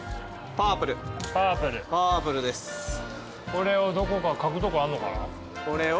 これをどこか書くとこあんのかな？